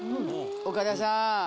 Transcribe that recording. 岡田さん